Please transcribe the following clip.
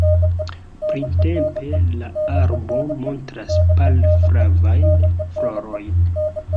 Printempe la arbo montras pal-flavajn florojn.